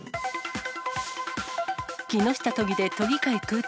木下都議で都議会空転。